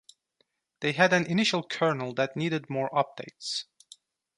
They had an initial kernel that needed more updates.